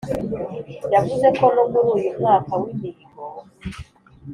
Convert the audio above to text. yavuze ko no muri uyu mwaka w’imihigo